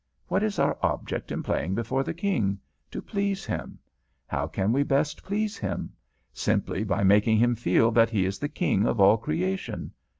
What is our object in playing before the King? To please him. How can we best please him? Simply by making him feel that he is the King of all creation.